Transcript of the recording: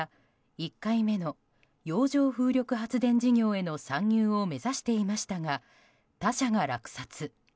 １回目の洋上風力発電事業への参入を目指していましたが他社が落札。